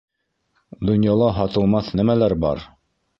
Донъяла һатылмаҫ нәмәләр бар!